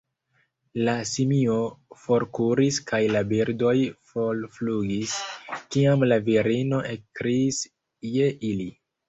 La simio forkuris kaj la birdoj forflugis, kiam la virino ekkriis je ili.